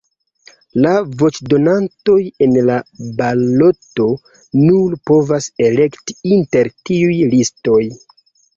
La voĉdonantoj en la baloto nur povas elekti inter tiuj listoj.